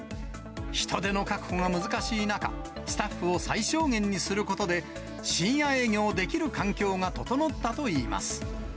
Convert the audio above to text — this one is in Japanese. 人手の確保が難しい中、スタッフを最小限にすることで、深夜営業できる環境が整ったといいます。